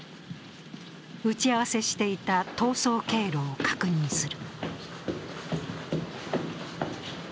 打ち合わせしていた逃走経路を確認する。